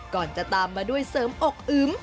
ก่อนจะตามมาด้วยเสริมอกอึม